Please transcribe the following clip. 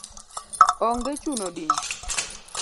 onge chuno din